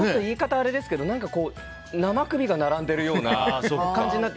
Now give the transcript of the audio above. あれですけど生首が並んでいるような感じになって。